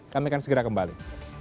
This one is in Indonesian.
kami akan segera kembali